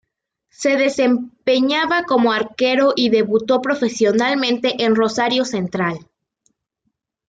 Se desempeñaba como arquero y debutó profesionalmente en Rosario Central.